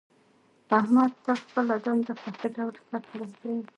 احمد تل خپله دنده په ښه ډول سرته رسوي.